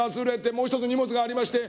もう一つ荷物がありまして」。